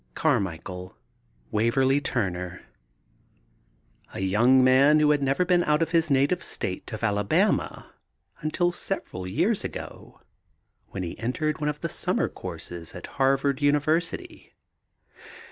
CARMICHAEL, WAVERLEY TURNER. A young man who had never been out of his native state of Alabama until several years ago when he entered one of the summer courses at Harvard University.